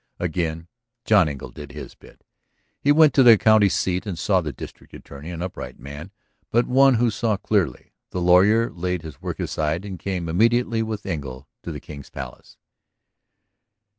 Again John Engle did his bit. He went to the county seat and saw the district attorney, an upright man, but one who saw clearly. The lawyer laid his work aside and came immediately with Engle to the King's Palace.